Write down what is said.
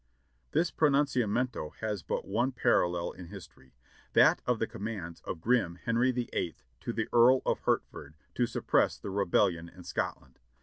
This pronunciamento has but one parallel in history — that of the commands of grim Henry the Eighth to the Earl of Hertford to suppress the rebellion in Scotland.